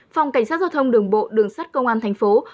phòng cảnh sát giao thông đường bộ đường sát công an tp hcm